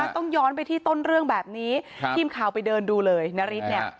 ต้องย้อนไปที่ต้นเรื่องแบบนี้ทีมข่าวไปเดินดูเลยนาริสเนี่ย